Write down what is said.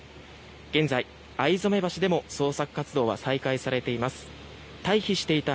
現在、逢初橋でも捜索活動は再開されています。